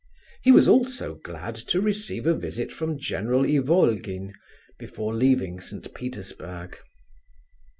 He was also glad to receive a visit from General Ivolgin, before leaving St. Petersburg.